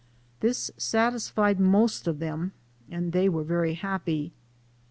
This satisfied most of them, and they were very happy.